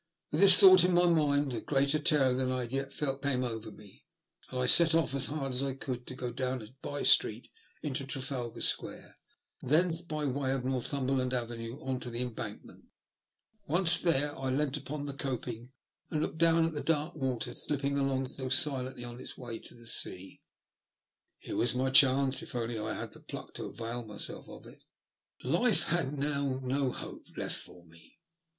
With this thought in my mind, a greater terror than I had yet felt came over me, and I set off as hard as I could go down a bye street into Trafalgar Square, thence by way of Northumberland Avenue on to the Embankment. Once there I leant upon the coping and looked down at the dark water slipping along so silently on its way to the sea. Here was my chance if only I had the pluck to avail myself of it. Life had now no hope left for me.